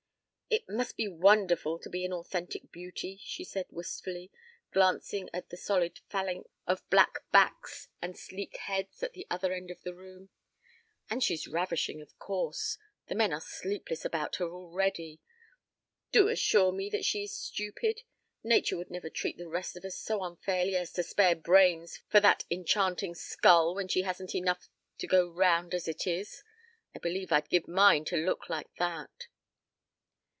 "It must be wonderful to be an authentic beauty," she said wistfully, glancing at the solid phalanx of black backs and sleek heads at the other end of the room. "And she's ravishing, of course. The men are sleepless about her already. Do assure me that she is stupid! Nature would never treat the rest of us so unfairly as to spare brains for that enchanting skull when she hasn't enough to go round as it is. I believe I'd give mine to look like that."